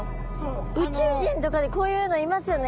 宇宙人とかでこういうのいますよね。